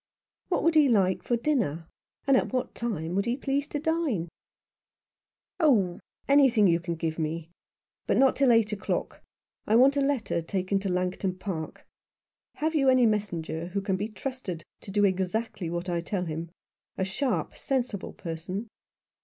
What would he like for dinner, and at what time would he please to dine ?" Oh, anything you can give me ; but not till eight o'clock. I want a letter taken to Langton Park. Have you any messenger who can be trusted to do exactly what I tell him — a sharp, sensible person